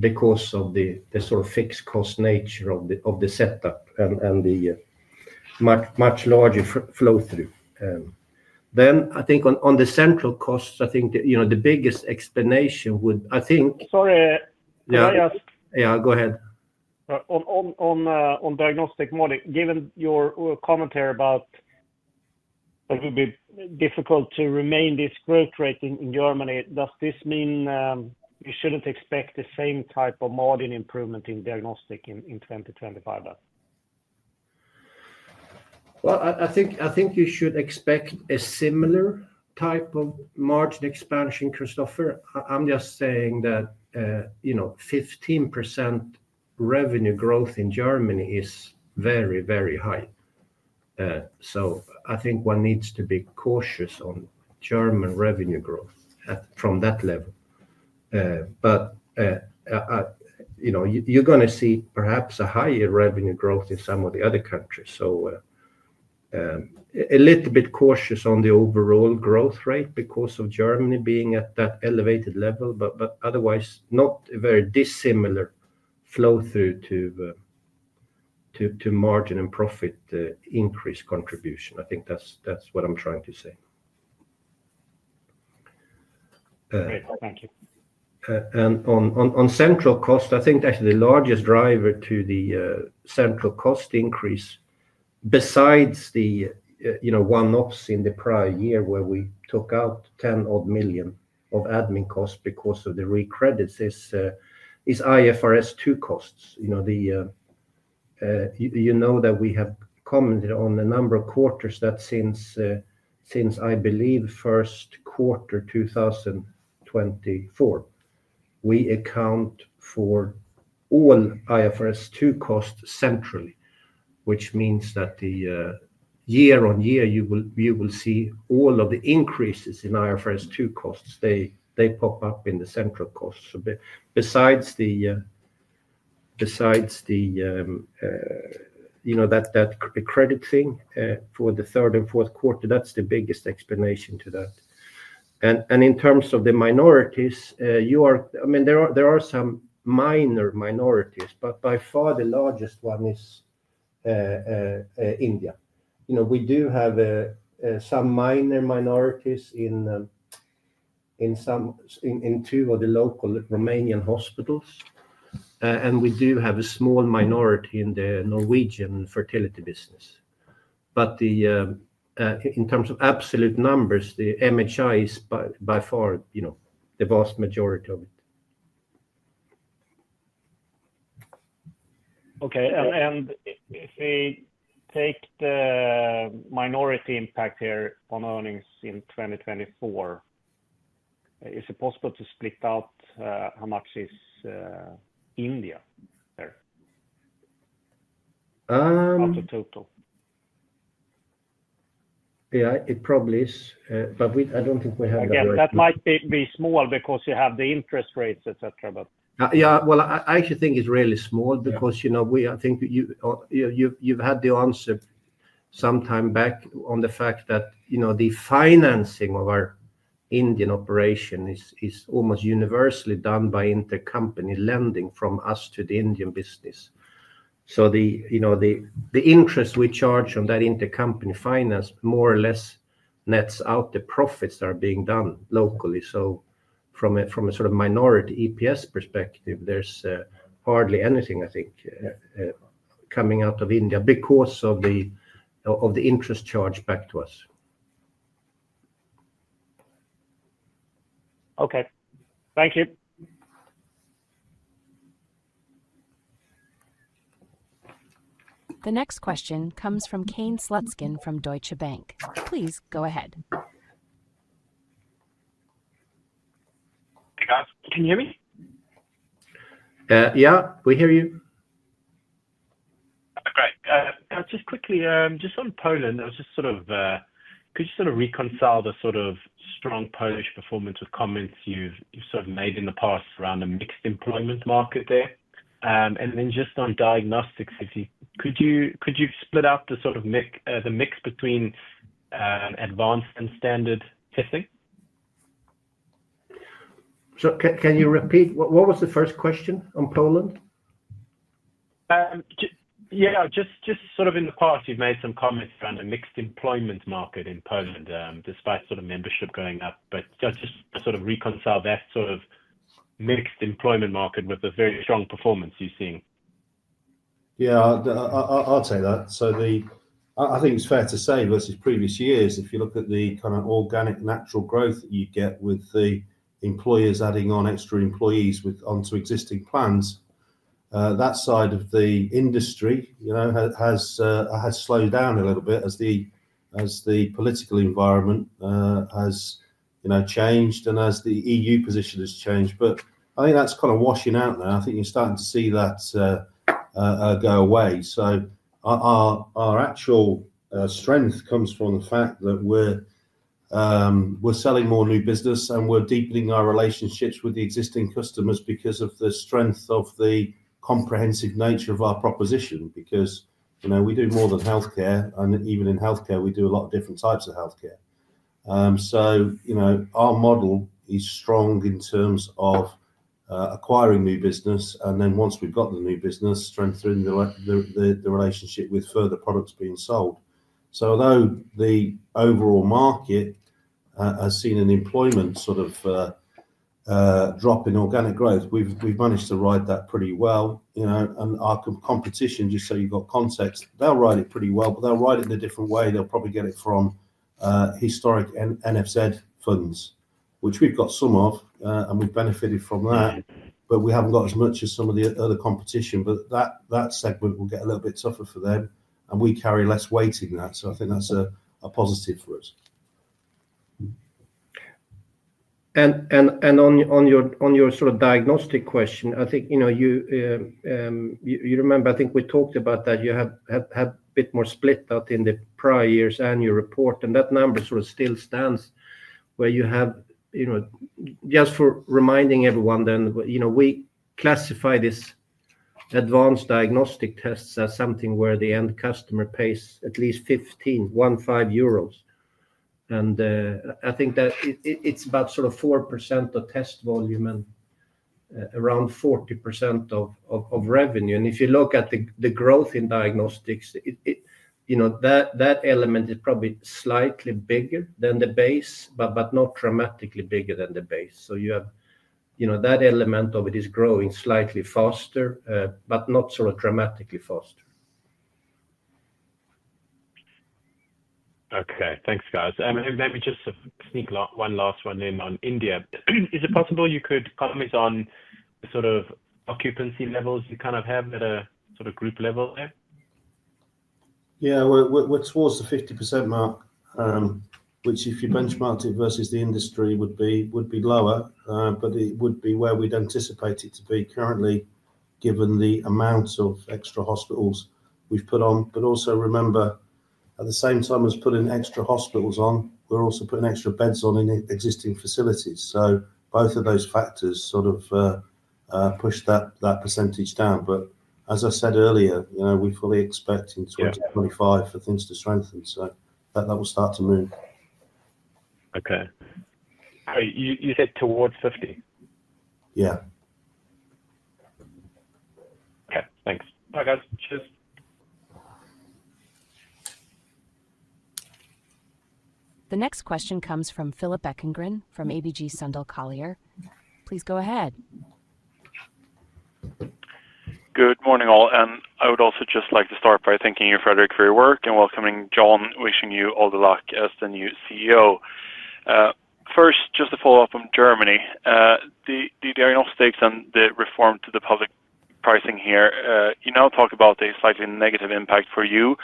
because of the sort of fixed cost nature of the setup and the much larger flow-through. Then I think on the central costs, the biggest explanation would. Sorry, may I ask? Yeah, go ahead. On diagnostic modeling, given your commentary about it would be difficult to remain this growth rate in Germany, does this mean we shouldn't expect the same type of margin improvement in diagnostic in 2025? Well, I think you should expect a similar type of margin expansion, Kristofer. I'm just saying that 15% revenue growth in Germany is very, very high. So I think one needs to be cautious on German revenue growth from that level. But you're going to see perhaps a higher revenue growth in some of the other countries. So a little bit cautious on the overall growth rate because of Germany being at that elevated level, but otherwise, not a very dissimilar flow-through to margin and profit increase contribution. I think that's what I'm trying to say. Great. Thank you. And on central cost, I think that's the largest driver to the central cost increase. Besides the one-offs in the prior year where we took out 10-odd million of admin costs because of the recredits, it's IFRS 2 costs. You know that we have commented on a number of quarters that since, I believe, first quarter 2024, we account for all IFRS 2 costs centrally, which means that year-on-year, you will see all of the increases in IFRS 2 costs. They pop up in the central costs. So besides the credit thing for the third and fourth quarter, that's the biggest explanation to that. And in terms of the minorities, I mean, there are some minor minorities, but by far the largest one is India. We do have some minor minorities in two of the local Romanian hospitals. And we do have a small minority in the Norwegian fertility business. But in terms of absolute numbers, the MHI is by far the vast majority of it. Okay. And if we take the minority impact here on earnings in 2024, is it possible to split out how much is India there out of total? Yeah, it probably is. But I don't think we have that. Yeah, that might be small because you have the interest rates, etc., but. Yeah. Well, I actually think it's really small because I think you've had the answer sometime back on the fact that the financing of our Indian operation is almost universally done by intercompany lending from us to the Indian business. So the interest we charge on that intercompany finance more or less nets out the profits that are being done locally. So from a sort of minority EPS perspective, there's hardly anything, I think, coming out of India because of the interest charged back to us. Okay. Thank you. The next question comes from Kane Slutzkin from Deutsche Bank. Please go ahead. Hey, guys. Can you hear me? Yeah, we hear you. Great. Just quickly, just on Poland, it was just sort of could you sort of reconcile the sort of strong Polish performance with comments you've sort of made in the past around the mixed employment market there? And then just on diagnostics, could you split out the sort of mix between advanced and standard testing? Can you repeat? What was the first question on Poland? Yeah, just sort of in the past, you've made some comments around the mixed employment market in Poland, despite sort of membership going up. But just sort of reconcile that sort of mixed employment market with the very strong performance you've seen. Yeah, I'll take that. So I think it's fair to say, versus previous years, if you look at the kind of organic natural growth that you get with the employers adding on extra employees onto existing plans, that side of the industry has slowed down a little bit as the political environment has changed and as the EU position has changed. But I think that's kind of washing out now. I think you're starting to see that go away. So our actual strength comes from the fact that we're selling more new business, and we're deepening our relationships with the existing customers because of the strength of the comprehensive nature of our proposition because we do more than healthcare. And even in healthcare, we do a lot of different types of healthcare. So our model is strong in terms of acquiring new business, and then once we've got the new business, strengthening the relationship with further products being sold. So although the overall market has seen an employment sort of drop in organic growth, we've managed to ride that pretty well. And our competition, just so you've got context, they'll ride it pretty well, but they'll ride it in a different way. They'll probably get it from historic NFZ funds, which we've got some of, and we've benefited from that, but we haven't got as much as some of the other competition. But that segment will get a little bit tougher for them, and we carry less weight in that. So I think that's a positive for us. And on your sort of diagnostic question, I think you remember, I think we talked about that. You had a bit more split out in the prior year's annual report, and that number sort of still stands where you have just for reminding everyone, then we classify this advanced diagnostic tests as something where the end customer pays at least 15. And I think that it's about sort of 4% of test volume and around 40% of revenue. And if you look at the growth in diagnostics, that element is probably slightly bigger than the base, but not dramatically bigger than the base. So that element of it is growing slightly faster, but not sort of dramatically faster. Okay. Thanks, guys. And maybe just sneak one last one in on India. Is it possible you could comment on the sort of occupancy levels you kind of have at a sort of group level there? Yeah, we're towards the 50% mark, which if you benchmarked it versus the industry would be lower, but it would be where we'd anticipate it to be currently given the amount of extra hospitals we've put on. But also remember, at the same time as putting extra hospitals on, we're also putting extra beds on in existing facilities. So both of those factors sort of push that percentage down. But as I said earlier, we're fully expecting 2025 for things to strengthen. So that will start to move. Okay. You said towards 50? Yeah. Okay. Thanks. Bye, guys. Cheers. The next question comes from Philip Ekengren from ABG Sundal Collier. Please go ahead. Good morning, all. And I would also just like to start by thanking you, Fredrik, for your work and welcoming John, wishing you all the luck as the new CEO. First, just to follow up on Germany, the diagnostics and the reform to the public pricing here, you now talk about a slightly negative impact for you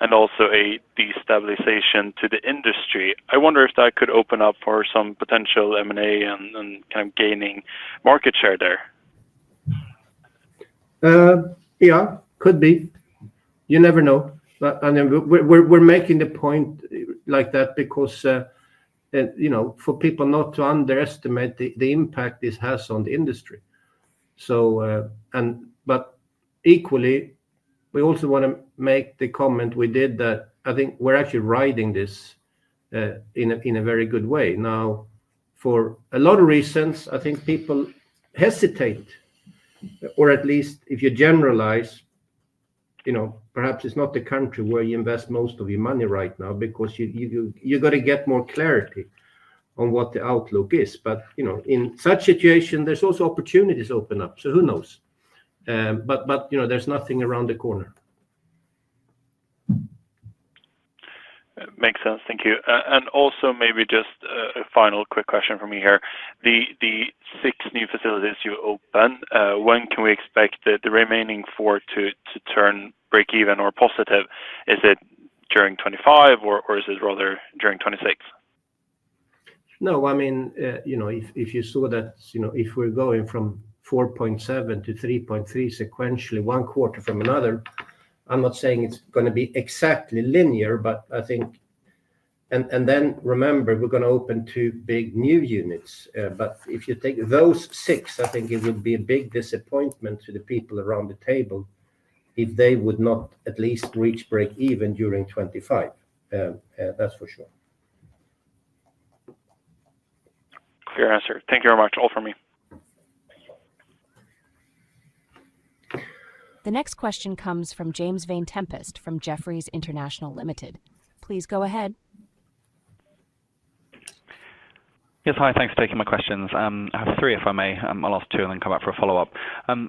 and also a destabilization to the industry. I wonder if that could open up for some potential M&A and kind of gaining market share there. Yeah, could be. You never know. I mean, we're making the point like that because for people not to underestimate the impact this has on the industry. But equally, we also want to make the comment we did that I think we're actually riding this in a very good way. Now, for a lot of reasons, I think people hesitate, or at least if you generalize, perhaps it's not the country where you invest most of your money right now because you've got to get more clarity on what the outlook is. But in such situations, there's also opportunities open up. So who knows? But there's nothing around the corner. Makes sense. Thank you. And also maybe just a final quick question from me here. The six new facilities you open, when can we expect the remaining four to turn break-even or positive? Is it during 2025, or is it rather during 2026? No, I mean, if you saw that we're going from 4.7 million to 3.3 million sequentially, one quarter from another, I'm not saying it's going to be exactly linear, but I think and then remember, we're going to open two big new units. But if you take those six, I think it would be a big disappointment to the people around the table if they would not at least reach break-even during 2025. That's for sure. Fair answer. Thank you very much. All for me. The next question comes from James Vane-Tempest from Jefferies International Limited. Please go ahead. Yes, hi. Thanks for taking my questions. I have three, if I may. I'll ask two and then come back for a follow-up.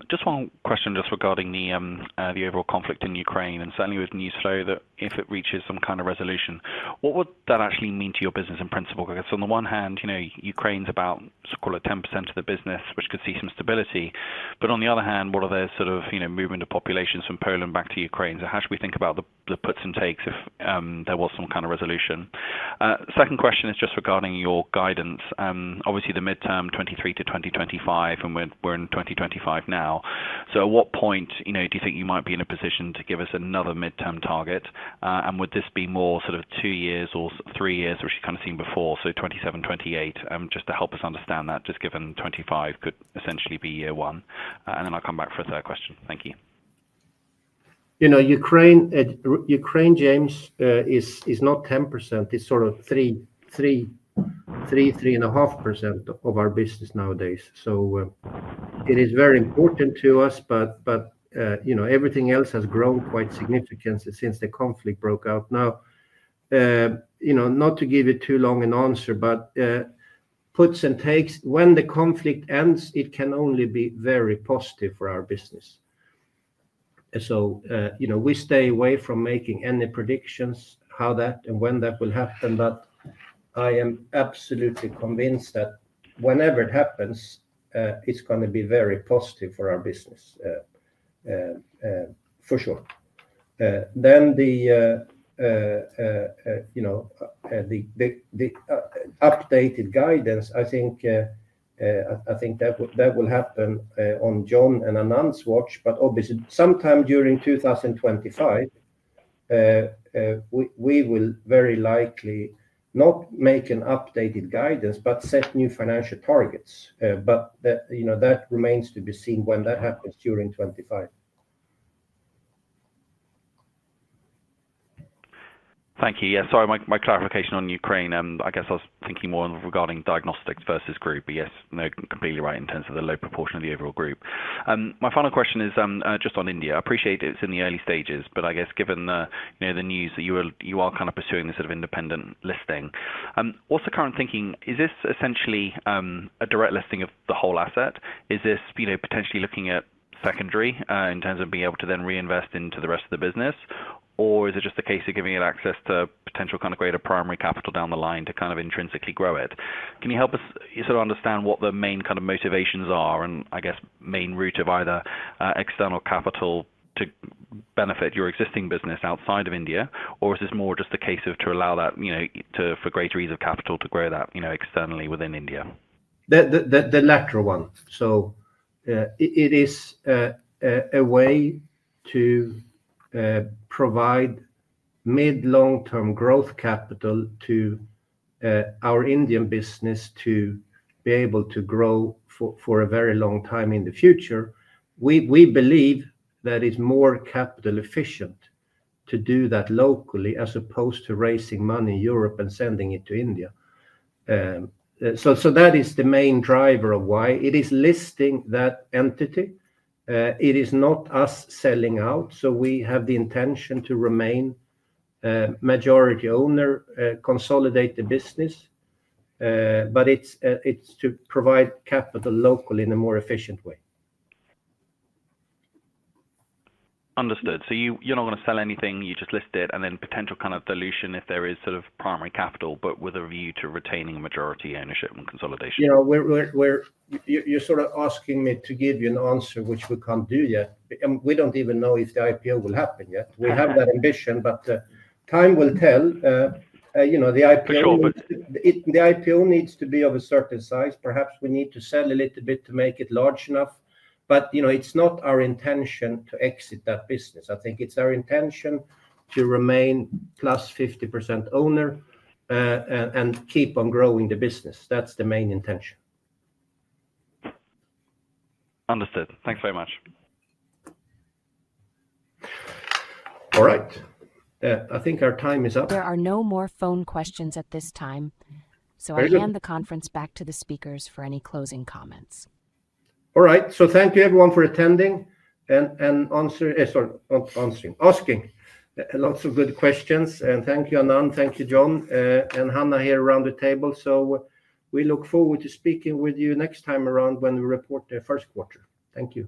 Just one question just regarding the overall conflict in Ukraine and certainly with news flow that if it reaches some kind of resolution, what would that actually mean to your business in principle? Because on the one hand, Ukraine's about, call it, 10% of the business, which could see some stability. But on the other hand, what are those sort of movement of populations from Poland back to Ukraine? So how should we think about the puts and takes if there was some kind of resolution? Second question is just regarding your guidance. Obviously, the midterm, 2023 to 2025, and we're in 2025 now. So at what point do you think you might be in a position to give us another midterm target? And would this be more sort of two years or three years, which you've kind of seen before, so 2027, 2028, just to help us understand that, just given 2025 could essentially be year one? And then I'll come back for a third question. Thank you. Ukraine, James, is not 10%. It's sort of 3%-3.5% of our business nowadays. So it is very important to us, but everything else has grown quite significant since the conflict broke out. Now, not to give you too long an answer, but puts and takes, when the conflict ends, it can only be very positive for our business. So we stay away from making any predictions how that and when that will happen, but I am absolutely convinced that whenever it happens, it's going to be very positive for our business, for sure. Then the updated guidance, I think that will happen on John and Anand's watch, but obviously, sometime during 2025, we will very likely not make an updated guidance, but set new financial targets. But that remains to be seen when that happens during 2025. Thank you. Yeah, sorry, my clarification on Ukraine, I guess I was thinking more regarding diagnostics versus group. But yes, completely right in terms of the low proportion of the overall group. My final question is just on India. I appreciate it's in the early stages, but I guess given the news that you are kind of pursuing this sort of independent listing, what's the current thinking? Is this essentially a direct listing of the whole asset? Is this potentially looking at secondary in terms of being able to then reinvest into the rest of the business? Or is it just a case of giving it access to potential kind of greater primary capital down the line to kind of intrinsically grow it? Can you help us sort of understand what the main kind of motivations are and, I guess, main route of either external capital to benefit your existing business outside of India, or is this more just a case of to allow that for greater ease of capital to grow that externally within India? The latter one. So it is a way to provide mid-long-term growth capital to our Indian business to be able to grow for a very long time in the future. We believe that it's more capital efficient to do that locally as opposed to raising money in Europe and sending it to India. So that is the main driver of why. It is listing that entity. It is not us selling out. So we have the intention to remain majority owner, consolidate the business, but it's to provide capital locally in a more efficient way. Understood. So you're not going to sell anything, you just list it, and then potential kind of dilution if there is sort of primary capital, but with a view to retaining majority ownership and consolidation. Yeah, you're sort of asking me to give you an answer, which we can't do yet. We don't even know if the IPO will happen yet. We have that ambition, but time will tell. The IPO needs to be of a certain size. Perhaps we need to sell a little bit to make it large enough. But it's not our intention to exit that business. I think it's our intention to remain plus 50% owner and keep on growing the business. That's the main intention. Understood. Thanks very much. All right. I think our time is up. There are no more phone questions at this time. So I'll hand the conference back to the speakers for any closing comments. All right. So thank you, everyone, for attending and answering, asking lots of good questions. And thank you, Anand. Thank you, John and Hanna here around the table. So we look forward to speaking with you next time around when we report the first quarter. Thank you.